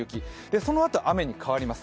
そのあと雨に変わります。